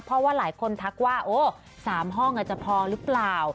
เพราะว่าหลายคนทักว่าโอ้๓ห้องจะพอหรือเปล่า